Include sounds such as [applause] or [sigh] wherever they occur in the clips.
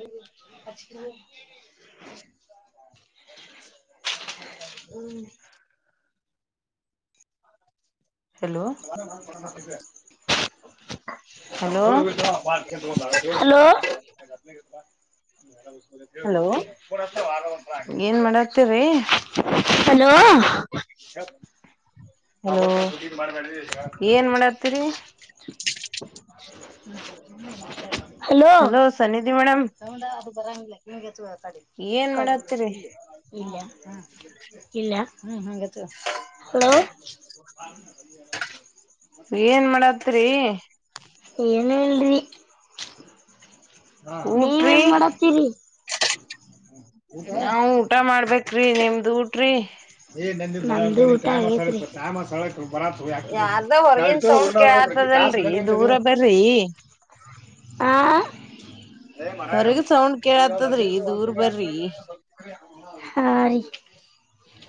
[inaudible] ಹ್ಮ್ hello [inaudible] hello hello hello ಏನ್ ಮಾಡತ್ತೀರಿ hello ಹ್ಮ ನಾ ಬತ ಸುದ್ದಿ ಅದು ಮಾಡಬೇಡ್ರಿ ಹೇಳಕ್ ಹೋಗಬೇಡ್ರಿ ಮಾಡತ್ತೀರಿ ಹ್ಮ್ಮ ಹಲೋ ಸನ್ನಿಧಿ ಮೇಡಮ ನೋಡ ಅದು ಬರಂಗಿಲ್ಲ ಕಿವಿಗೆ ಏನ್ ಹಚ್ಕೊಳಡ್ ಮಾಡತ್ತೀರಿ ಇಲ್ಲ ಇಲ್ಯ ಹಲೋ ಏನ್ ಮಾಡತತ್ರಿ ಏನಿಲ್ರಿ ಊಟ್ರಿ ನೀವೇನ್ ಮಾಡತ್ತೀರಿ ನಾವ ಊಟ ಮಾಡ್ಬೇಕ್ರಿ ನಿಮ್ದ ಊಟ್ರಿ ನಮ್ದು ಊಟ ಆಗೇತ್ರಿ ಯಾರ್ದ ಹೊರಗಿನ್ ಸೌಂಡ್ ಕೇಳತದಲ್ರಿ ದೂರ ಬರ್ರಿ ಹೊರಗ ಸೌಂಡ್ ಕೇಳತ್ತದ್ರಿ ದೂರ್ ಬರ್ರಿ [unintelligible] ಹ [unintelligible] ಹಾರೀ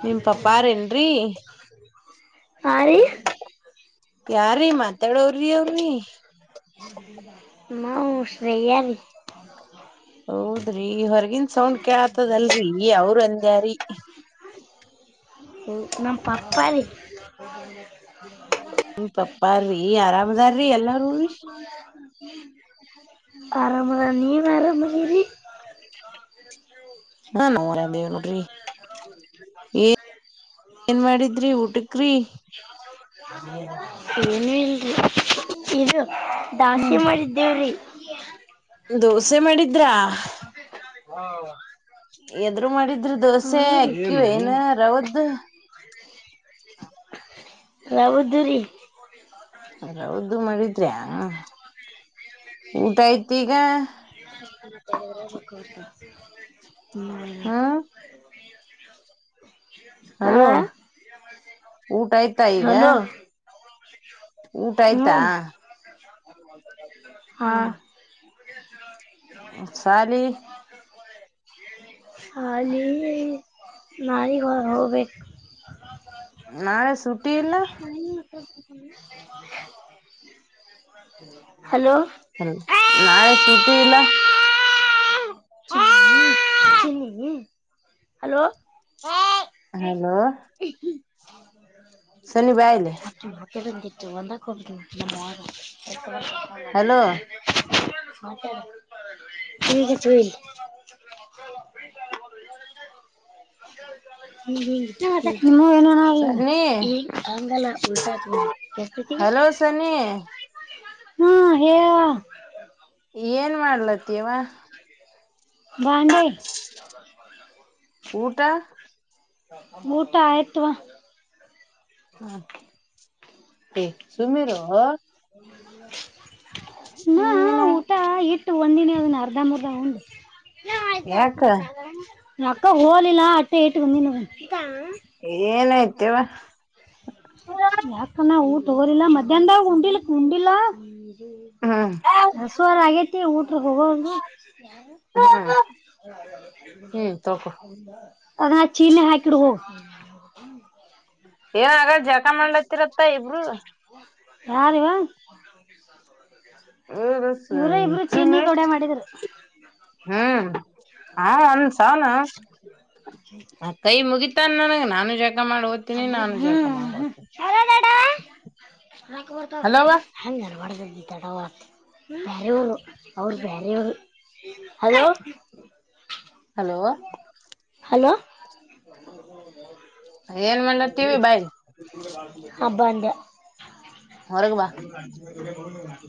ನಿಮ್ ಪಪ್ಪಾರೇನ್ರಿ ಆರೀ ಯಾರೀ ಮಾತಾಡೊವ್ರಿ ಅವ್ರಿ ನಾವು ಶ್ರೇಯರೀ ಹೌದ್ರಿ ಹೊರಗಿನ್ ಸೌಂಡ್ ಕೆಳತದಲ್ರಿ ಅವ್ರ ಅಂದ್ಯಾರಿ ನಮ್ಮ ಪಪ್ಪರೀ ಹ್ಮ ಪಪ್ಪಾರ್ರಿ ಆರಾಮದಾರ್ರಿ ಎಲ್ಲಾ ಆರಾಮದ ನೀವ್ ಆರಾಮೀರಿ ಹಾ ನಾವ್ ಆರಾಮೇವ್ ನೋಡ್ರಿ [inaudible] ಏನ್ ಮಾಡಿದ್ರಿ ಊಟಕ್ರೀ [inaudible] ಏನು ಇಲ್ರಿ ಇದು ದದೋಸೆ ಮಾಡಿದ್ದೇವ್ರಿ [inaudible] ದೋಸೆ ಮಾಡಿದ್ರಾ ಹ ಎದ್ರುದು ಮಾಡಿದ್ರಿ ದೋಸೆ ಅಕ್ಕಿ ಏನ ರವುದು ಹೌದುರೀ ರವುದು ಮಾಡಿದ್ರಿ ಹ ಊಟ ಆಯ್ತಿ ಈಗ ಹ್ಮ್ಮ್ [inaudible] ಹ್ಮ್ ಹಾ ಹಲೋ ಊಟ ಆಯ್ತಾ ಈಗ ಹಲೋ ಊಟ ಆಯ್ತಾ ಹ್ಮ್ ಹಾ ಶಾಲಿ ನಾಳಿಗೆ ಹೊ ಹೋಗ್ಬೇಕು ನಾಳೆ ಸುಟ್ಟಿ ಇಲ್ಲ ಹಲೋ ನಾಳೆ ಸೂಟಿ ಇಲ್ಲ [unintelligible] ಹಲೋ ಹಲೋ ಸನ್ನಿ ಬಾ ಇಲ್ಲಿ ಮತ್ತೆ ಬಂದಿತ್ತು ಒಂದಕ್ ಹೋಗತೀನಿ ನಮ್ಮ ಹಲೋ ಆ [unintelligible] [unintelligible] [inaudible] [unintelligible] ಏನಿಲ್ಲ ಸನಿ ಈ ಹಂಗಲ್ಲ ಉಲ್ಟ ಹಾಕು ಹಲೋ ಸನಿ [inaudible] ಹ್ಮ ಹೇಳೇ ಏನ್ ಮಾಡತಿಯವ್ವ ಬಂದೆ ಊಟ ಊಟ ಆಯತು ಹ್ಞಾ ಎ ಸುಮ್ಮ ಇರೋ. ನ ನೀನ ಊಟಾ ಇಟ್ಟ ಒಂದಿನಿ ಅದನ ಅರ್ಧ ಮುರ್ಧ ಉಂಡ [unintelligible] ಯಾಕ ಅಕ್ಕಾ ಹೋಲಿಲ್ಲಾ ಅಟ್ಟೆ ಇಟ್ಟ ಬಂದಿನ ಅದನ ಏನಾಯ್ತ ಹೇಳ ಯಾಕನ ಊಟ ಹೋಗಲಿಲ ಮಧ್ಯಾನದಾಗ ಉಂಡಿಲ್ಕ ಉಂಡಿಲ್ಲಾ. ಹ್ಮ್ ಹಸುಅರ ಆಗೇತಿ ಊಟ ಹೋಗವಾಲು ಹ್ಮ್ ಹ್ಮ್ ತಕೊ ಅದ ಚೀಲನ್ಯಾಗ ಹಾಕಿಡು ಹ ಏನ ಅರಾ ಜಾಕ ಮಾಡ್ಲಾರತ್ತ ಇಬ್ರು ಯಾರೀವಾ ಇವರ ಇಬ್ರು ಚೀನ್ನಿ ಗೌಡ ಮಾಡಿದ್ರ. ಹ್ಮ ಆ ಒಂದ ಸಾನ ಆ ಕೈ ಮುಗಿತನ್ ನನಗ ನಾನು ಜಕ ಮಾಡಿ ಹೋತೀನಿ ಹ್ಮ್ ನಾನು ಜಕ ಮಾಡಿ ಹೋತೀನಿ. [inaudible] ರಕ್ಕ ಬರ್ತ ಅತ್ತ್ ಹಂಗ ಅನಾಬಾದಡ ಅಲ್ಲಿ ತಡವ ಬೇರೆವರು ಅವರ ಬೇರೆಯವರ ಹಲೋ ಹಲೋ ಹಲೋ ಏನ್ ಮಾಡ್ಲತ್ತೀವಿ ಬಾಯ್ ಹ ಬಂದೆ ಹೊರಗ್ ಬಾ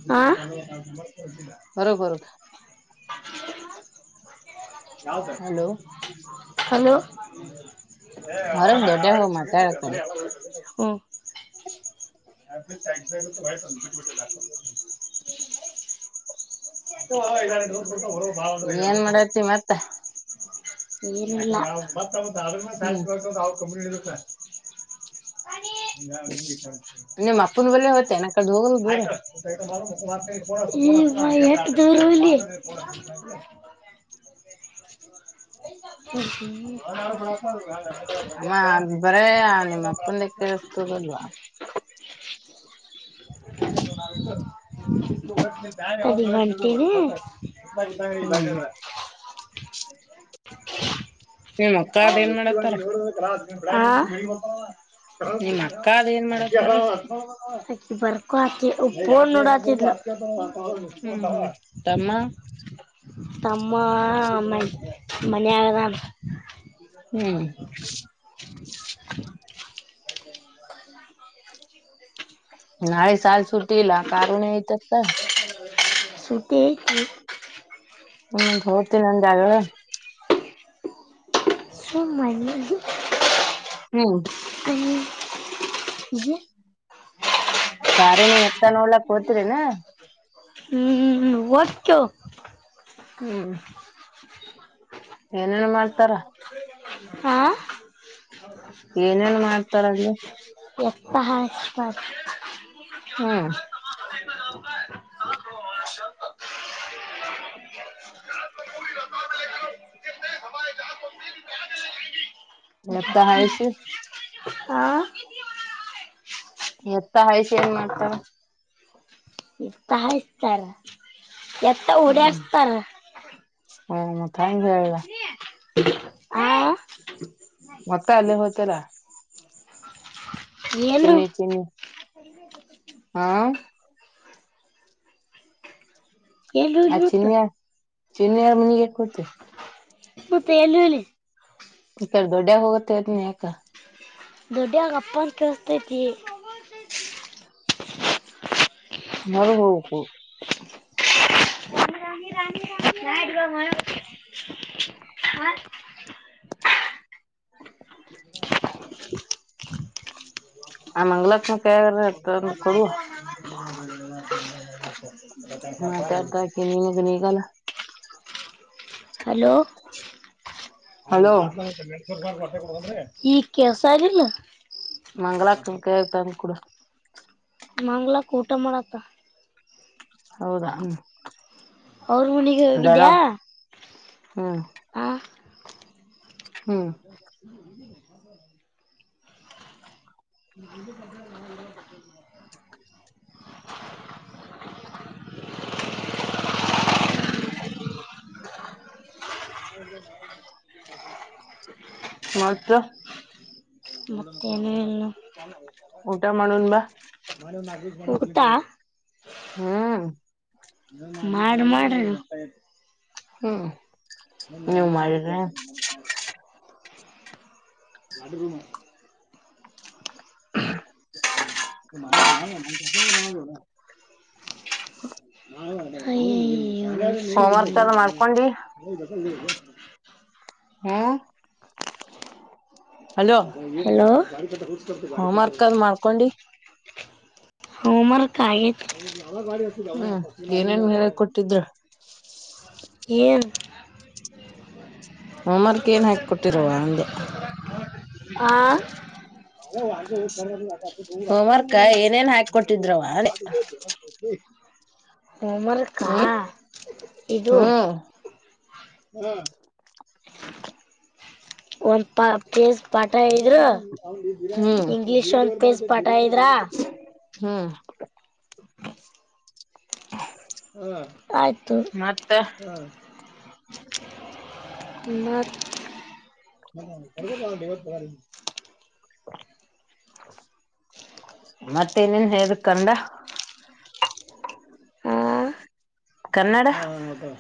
ಹ್ಞಾ. ಬರಬರ ಯಾವ್ದ ಹಲೋ ಹಲೋ [unintelligible] ಹೊರಗ್ ದೊಡ್ಡ ಹೋಗ್ ಮಾತಾಡ ಕಡೆ ಹ್ನು. [inaudible] [inaudible] ಏನ್ ಮಾಡತಿ ಮತ್ತ [unintelligible] ಏನಿಲ್ಲಾ ಹ್ಮ್ [unintelligible] ಮಣಿ ನಿಮ್ಮಪ್ಪನ ಬಲಿ ಹೋತಿ ಅನಾ ಆಕಡೆ ಹೋಗದು ದೂರ ಏ ಯವಾ ಎಟ್ ದೂರ ಹೋಲಿ ಅಮ್ಮ [unintelligible] ಅದ್ ಬರೇ ನಿಮ್ಮ ಅಪ್ಪಂದ ಕೇಳಿಸ್ತದಲ್ವಾ [unintelligible] [inaudible] [unintelligible] ತಡಿ ಹೊಂಟಿನ ಹ್ಮ್ [unintelligible] ನಿಮ್ [unintelligible] ಅಕ್ಕ ಆ ಅದ [unintelligible] ಏನ್ ಮಾಡತ್ತಾರ ನಿಮ್ ಅಕ್ಕ ಅದ ಏನ್ ಮಾಡತ್ತಾರ [inaudible] ಬರ್ಕೋ ಆಕೆ ಫೋನ್ ನೋಡತಿದಲ್ಲ. ಹ್ಮ್ ಹ್ಮ್ [unintelligible] [inaudible] ತಮ್ಮ [unintelligible] ತಮ್ಮ ಮನ ಮನೆಗೆ ಅದನಾ? [unintelligible] ಹ್ಮ. [inaudible] ನಾಳೆ ಸಾಲಿ ಸುಟಿ ಇಲ್ಲ ಕಾರುಣಿ ಐತಿ ಅತ್ತ. ಸುಟಿ ಐತಿ. ಹ್ಮ ಮ ಹೋತೀನಿ ಅಂದಿ ಅಗಳೆ ಸುಮ್ಮ ಅನ್ನಿ. ಹ್ಮ್ [unintelligible] ನಿಜ ಕಾರುಣಿ ಎತ್ತ ನೋಡಲಕ ಹೊತಿರನ. ಹ್ಮ ಹೊಕ್ಕೇವ. ಹ್ಮ. ಚಾನಲ್ ನೋಡ್ತಾರ? ಹಾ [unintelligible] ಏನೇನ್ ಮಾಡ್ತಾರಲ್ಲಿ. [unintelligible] ಎಪಾ ಹ ಹಚ್ ಬಾರದ. [unintelligible] ಹ [unintelligible] [inaudible] [unintelligible] ಎತ್ತ ಹಾಯ್ಸಿ ಆ [unintelligible] ಎತ್ತ ಹಾಯಿಸಿ ಏನ್ ಮಾಡ್ತಾಳ? [unintelligible] ಇತಹಾ ಇತ್ತರಾ [unintelligible] ಎತ್ತ ಹ್ಮ್ ಓಡ್ಯಾಡಸ್ತಾರ? ಹ್ಮ್ ಮತ್ತ ಹಂಗ ಹೇಳ [unintelligible] [inaudible] ಮತ್ತ ಅಲ್ಲೇ ಹೋತಲಾ? [unintelligible] ಏನ್ರು ಚಿನ್ನಿ ಚಿನ್ನಿ [unintelligible] ಆ [unintelligible] ಇಲ್ಲಿ ಬಿದ್ದ ಹೋತ? [unintelligible] ಚಿನ್ನಿ ಯಾರ ಮನೆಗ ಯಾಕಾ ಹೊತಿ. [unintelligible] ಮತ್ತ ಎಲ್ಲಿ ಹೋಲಿ? [unintelligible] ಈಕ ದೊಡ್ಡ್ಯಗ ಹೋಗುತ್ತೆ ಅಂದಿನಿ ಯಾಕ? [unintelligible] ದೊಡ್ಯಾಗ ಅಪ್ಪರಾ ಕೇಳಸತೈತಿ. ನಂದ [inaudible] ಹೋಮರ್ಕ ಐತಿ. [unintelligible] ಮೊರಗ್ ಹೋಗ್ಬೇಕು? [unintelligible] [unintelligible] [inaudible] ರೈಟ್ ಹೋಗಿ ಹೊರ ಹೋಗಬೇಕ. [unintelligible] ಆ ಮಂಗಲ ಅಕ್ಕ ಕೈಗರ ತಂದು ಕೊಡು. [unintelligible] ಮಾತಾಡಾ ಪಾ ನೀನಗ ನೀಗಲ್ಲ? [unintelligible] ಹಲೋ? ಹಲೋ [unintelligible] [inaudible] ಈಗ ಕೇಳಸೂದಿಲ್ಲ? [unintelligible] ಮಂಗಳ ಅಕ್ಕನ ಕೈಯಾಗ ತಂದ ಕೂಡ. [unintelligible] ಮಂಗಳ ಅಕ್ಕ ಊಟ ಮಾಡತಾಳ? [unintelligible] ಹೌದಾ? [unintelligible] ಅವರ ಮನಿಗ ದಡ ಹೋಗಿದ್ಯಾ ಹಾ [unintelligible] ಹೂ [unintelligible] [unintelligible] ನೀವ ಹೋಗಿಲ್ ಏನ್ ಸರ್ ನೀವ್ ಹೋಗಿದ [inaudible] [unintelligible] ಹ ನೀನ್ ಮಾಡ್ [inaudible] [unintelligible] ಮತ್ತ? [unintelligible] [inaudible] ಮತ್ತ ಏನು ಇಲ್ಲ? ಊಟ ಮಾಡುನ್ ಬಾ [unintelligible] ನೋಡಣ ನಾವ್ ಯೂಸ್ ಮಾಡೋ ನಾ ಹೋಗುತ್ತಾ? [unintelligible] ಹ [unintelligible] ಮಾಡ ಮಾಡ್ರಿ. [unintelligible] [inaudible] ಹ್ಮ ನಾನ್ ವಜ್ ಕೊ ಎಡೂನು ಮಾಡ? [unintelligible] [unintelligible] ನನಗ ನಾ [inaudible] [unintelligible] ಮಾಡಲ್ಲ ನಾವು ಅದೇ ಅಂತ್ ವೆ [unintelligible] [inaudible] ಹೋಮ್ವರ್ಕ್ ಅದ್ ನೀವ್ ಮಾಡ್ಕೊಂಡಿ ಹೋದಗಾ ಇಸ್ಕೊಂಡಿದರೆ. [inaudible] [unintelligible] ಹು [unintelligible] ಹಲೋ? [unintelligible] [inaudible] ಹೊಮರ್ಕ ಅದ ಮಾಡಾಕೊಂಡಿ. [unintelligible] ಹಮರ್ಕ ಆಗತ್ತು ನ ಗಾಡಿ ಅಿ ಹ್ಮ್ ಏನೇನ್ ಹೇಳ ಯಾವ ಕೊಟ್ಟಿದ್ರ ಏಲ್ ಹೋಮ್ವರ್ಕ್ ಏನ್ ಹಾಕ ಕೊಟ್ಟಿರುವ ಒಂದೆ ಹಾ ಹೋಮ್ವರ್ಕ್ ಏನೇನ್ ಹಾಕಿ ಕೊಟ್ಟಿದ್ರವ ಅಂದೆ ಹೋಮ್ ವರ್ಕಾ ಹ್ಮ್ ಇದು ಹ್ಮ್ ಒಂದ್ ಪ ಪೇಸ್ ಪಾಠ ಇದ್ರ ಹ್ಮ್ ಇಂಗ್ಲಿೀಷ್ ಒಂದ್ ಪೇಜ್ ಪಠ ಇದ್ರಾ ಹ್ಮ ಹ್ಮ ಆಯತು ಮತ್ತ ಹ್ಮ ಮತ್ತೆ ಇನೇನ್ ಹ ಕಂದ ಕನ್ನಡ ಹ್ಮ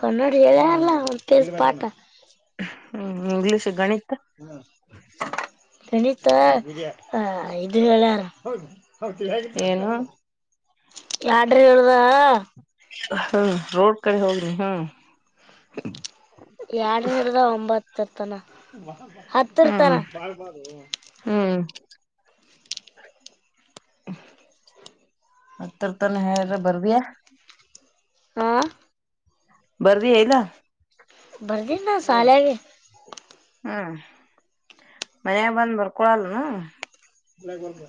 ಕ ಎಲ್ಲಾರಲ್ಲ ಅವ ಪಸಿಪಾಟ ಹ್ಮ್ ಇಂಗ್ಲೀಷ್ ಗಣಿತ ಗಣಿತ ಹ ಇದು ಹೇಳಾರ ಏನು ಲಾಡ್ರಿ ಹೇಳದ ಹ್ಮ್ ರೋಡ್ ಕಡೆ ಹೋಗ್ರಿ ಹ್ಮ್ ಎರಡನ ಇರ್ದ ಒಂಬತ್ತರ್ತನ ಹತ್ತಿರ್ತರ ಹ್ಮ್ ಹತ್ತರ್ ತಾನ ಹೇಳಾರ ಬರ್ಬಯಾ ಆ ಬರ್ದಿ ಇಲ್ಲ ಬರ್ಗ್ಣ ಸಾಲಯಗೆ ಹ್ಮ್ ಮನ್ಯಾಗ ಬಂದ್ ಬರ್ಕೊಳಲ್ನು ಲ ಗಲ್ಬ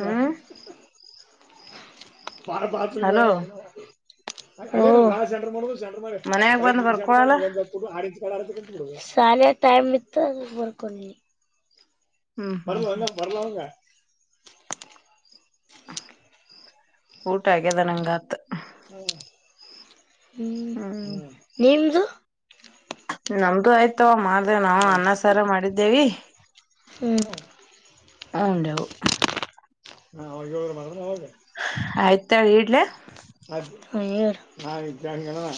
ಹ್ಮ್ ಪಾರ ಪತ ಹಲೋ ಸೆಂರ್ ಮಾಡ ಸೆಂರ್ ಮಾಡ ಮನ್ಯಾಗ ಬಂದ್ ಬರ್ಕೊಳಲ್ಲ ಸಂ ಶಾಲೆ ಟೈಮ್ ಇತ್ತು ಬರ್ಕೊಂಡಿ ಹ್ಮ್ ಹ್ಮ್ ಬರ್ರುವ ಹ್ಮ್ ಅಂದ ಬರ್ಲ ಅವಂಗ ಊಟ ಆಗ್ಯದ ನಂಗಾತ್ ಹ್ಮ್ ನಿ್ದು ನಮ್ದು ಆಯ್ತವ ಮಾಡ್ದ ನಾವವು ಅನ್ನ ಸರ ಮಾಡಿದ್ದೇವಿ ಹ್ಮ್ ಹಂಡಾವ ಹಾ ಅವ್ರೋಗ ಅವ ಆಯ್ತಾ ಇಡ್ಲ ಅದ ನಾಣ